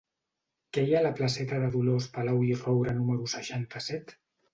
Què hi ha a la placeta de Dolors Palau i Roura número seixanta-set?